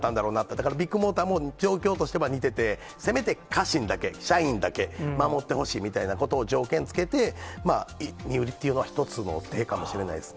だから、ビッグモーターも状況としては似てて、せめて家臣だけ、社員だけ、守ってほしいみたいな条件付けて、身売りというのは一つの手かもしれないですね。